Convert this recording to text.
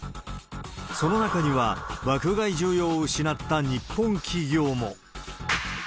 その中には、爆買い需要を失った日本企業も。